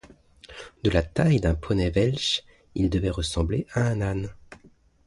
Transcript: De la taille d'un poney Welsh, il devait ressembler à un âne.